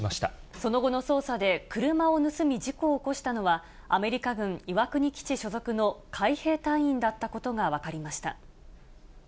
その後の捜査で、車を盗み、事故を起こしたのは、アメリカ軍岩国基地所属の海兵隊員だったことが分かりました。